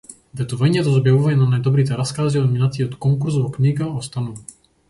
Ветувањето за објавување на најдобрите раскази од минатиот конкурс во книга останува.